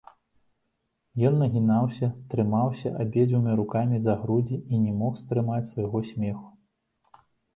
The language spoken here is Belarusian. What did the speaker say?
Ён нагінаўся, трымаўся абедзвюма рукамі за грудзі і не мог стрымаць свайго смеху.